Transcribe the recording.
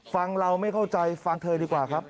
เราไม่เข้าใจฟังเธอดีกว่าครับ